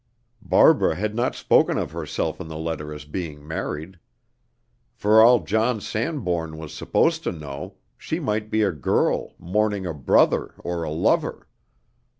Barbara had not spoken of herself in the letter as being married. For all John Sanbourne was supposed to know, she might be a girl, mourning a brother or a lover.